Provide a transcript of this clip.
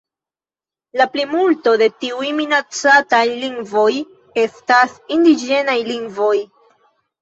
La plimulto de tiuj minacataj lingvoj estas indiĝenaj lingvoj.